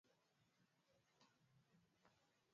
Sahihisha kazi yako.